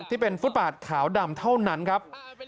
ที่เป็นฟุตบาทขาวดำเท่านั้นครับ